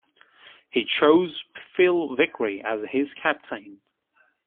He chose Phil Vickery as his captain.